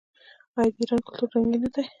آیا د ایران کلتور رنګین نه دی؟